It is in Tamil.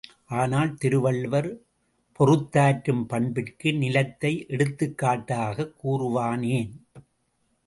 ஆனால் திருவள்ளுவர் பொறுத்தாற்றும் பண்பிற்கு நிலைத்தை எடுத்துக்காட்டாகக் கூறுவானேன்?